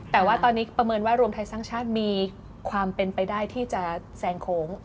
แต่ว่าตอนนี้ประเมินว่ารวมไทยสร้างชาติมีความเป็นไปได้ที่จะแซงโค้ง